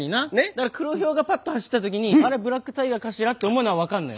だから黒ヒョウがパッと走った時にあれはブラックタイガーかしら？って思うのは分かんのよ。